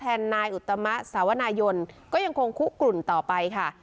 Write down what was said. นายอุตมะสาวนายนก็ยังคงคุกกลุ่นต่อไปค่ะ